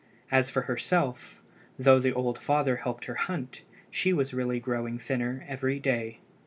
As for herself, though the old father helped her hunt she was really growing thinner every day.